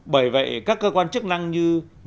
bởi vậy các cơ quan chức năng như